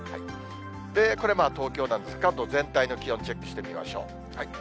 これ東京なんですが、関東全体の気温、チェックしてみましょう。